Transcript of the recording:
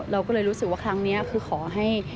เราก็เลยรู้สึกว่าครั้งนี้คือขอให้